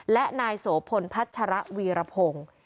และนายโสพลพัชระวีรพงศ์